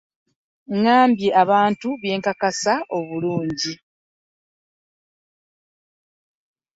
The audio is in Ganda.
Bye ŋŋamba abantu mbyekakasa bulungi.